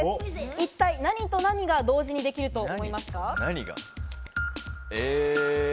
一体、何と何が同時にできると思いますか？